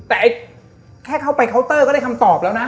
แต่แค่เข้าไปเคาน์เตอร์ก็ได้คำตอบแล้วนะ